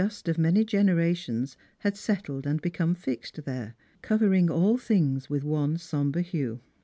t of many generations had settled and become fixed there, covering all things with one sombre hue.